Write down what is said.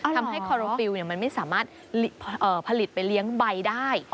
คอโรฟิลล์มันไม่สามารถผลิตไปเลี้ยงใบได้